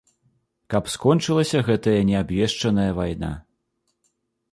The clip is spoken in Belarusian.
Каб скончылася гэтая неабвешчаная вайна.